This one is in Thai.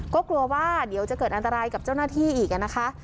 ก็กลัวว่าเดี๋ยวจะเกิดอันตรายกับเจ้าหน้าที่อีกนะคะ